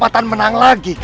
kau sendiri yang bangun